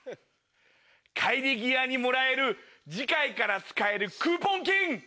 帰り際にもらえる次回から使えるクーポン券。